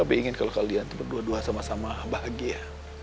tapi ingin kalau kalian berdua dua sama sama bahagia